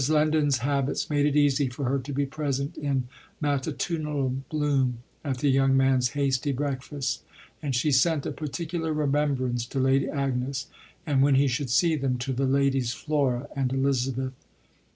Lendon's habits made it easy for her to be present in matutinal bloom at the young man's hasty breakfast, and she sent a particular remembrance to Lady Agnes and (when he should see them) to the Ladies Flora and Elizabeth.